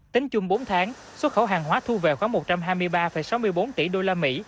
tính chung bốn tháng xuất khẩu hàng hóa thu về khoảng một trăm hai mươi ba sáu mươi bốn tỷ đô la mỹ